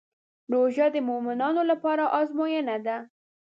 روژه د مؤمنانو لپاره ازموینه ده.